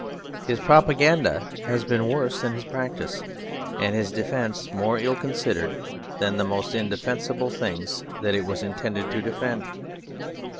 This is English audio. His propaganda has been worse than his practice; and his defence more ill considered than the most indefensible things that it was intended to defend.